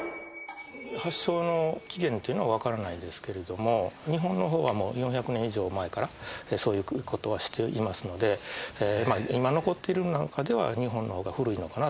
発祥の起源っていうのは分からないですけれども日本の方は４００年以上前からそういうことはしていますので今残っている中では日本の方が古いのかなっていう感じはしますね